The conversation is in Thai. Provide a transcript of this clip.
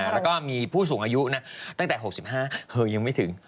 แล้วก็มีผู้สูงอายุตั้งแต่๖๕คือยังไม่ถึง